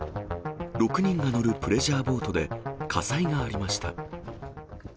６人が乗るプレジャーボートで火災がありました。